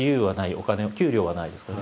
お金給料はないですからね。